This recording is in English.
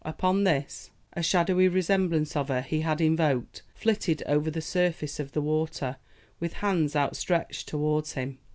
Upon this a shadowy resemblance of her he had invoked flitted over the surface of the water, with hands outstretched towards him.